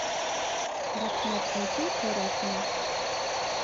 Рәхмәт әйтеү кәрәкмәй